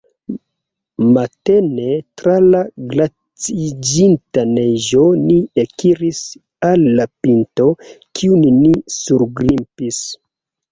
Matene tra la glaciiĝinta neĝo ni ekiris al la pinto, kiun ni surgrimpis.